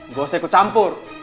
gua harus ikut campur